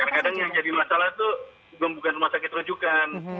kadang kadang yang jadi masalah itu bukan rumah sakit rujukan